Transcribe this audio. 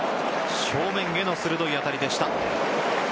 正面への鋭い当たりでした。